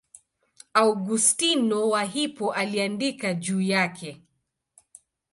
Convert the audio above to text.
Augustino wa Hippo aliandika juu yake.